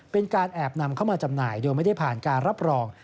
เป็นการแอบนำเข้ามาจำหน่ายโดยไม่ได้ผ่านการรับรอง